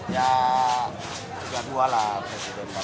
ya tiga puluh dua lah presiden bang